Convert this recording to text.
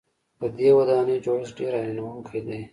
د دې ودانۍ جوړښت ډېر حیرانوونکی دی.